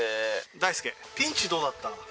大介ピンチどうだった？